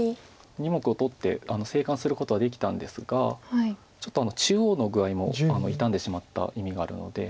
２目を取って生還することはできたんですがちょっと中央の具合も傷んでしまった意味があるので。